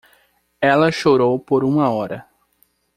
Ela chorou por uma hora.